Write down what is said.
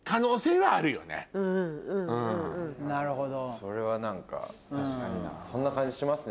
それは何かそんな感じしますね